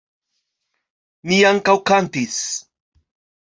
Ni ankaŭ kantis.